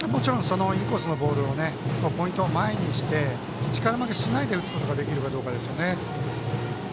インコースのボールをポイントを前にして力負けしないで打つことができるかどうかですね。